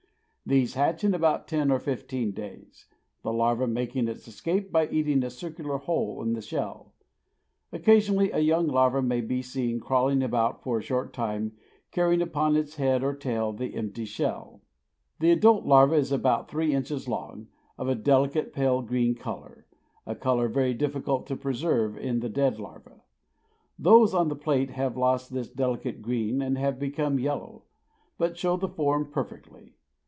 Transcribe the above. These hatch in about ten or fifteen days, the larva making its escape by eating a circular hole in the shell. Occasionally a young larva may be seen crawling about for a short time, carrying upon its head or tail the empty shell. The adult larva is about three inches long, of a delicate pale green, a color very difficult to preserve in the dead larva. Those on the plate have lost this delicate green and have become yellow, but show the form perfectly.